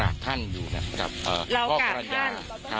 แต่ตอนนี้เราขอแล้วนะคะ